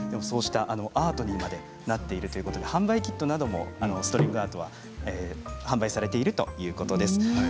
アートになっているということで販売キットなどもストリングアートは販売されているということなんです。